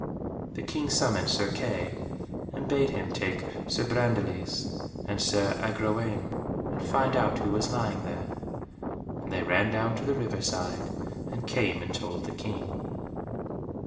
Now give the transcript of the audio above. The King summoned Sir Kay, and bade him take Sir Brandiles and Sir Agrawaine, and find out who was lying there, and they ran down to the river side, and came and told the King.